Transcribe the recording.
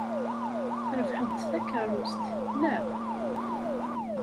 Trebḥeḍ-d takeṛṛust, naɣ?